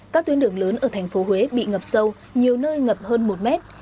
các tuyến đường lớn ở thành phố huế bị ngập sâu nhiều nơi ngập hơn một mét